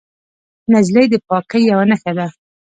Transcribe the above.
نجلۍ د پاکۍ یوه نښه ده.